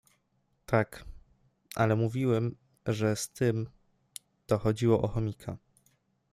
Tak, ale mówiłem, że z tym, to chodziło o chomika.